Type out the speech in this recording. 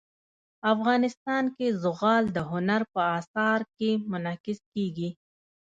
افغانستان کې زغال د هنر په اثار کې منعکس کېږي.